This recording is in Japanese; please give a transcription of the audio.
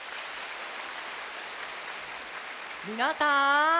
みなさん